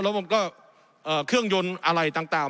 แล้วมันก็เอ่อเครื่องยนต์อะไรต่างต่าง